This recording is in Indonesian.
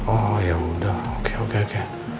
oh yaudah oke oke oke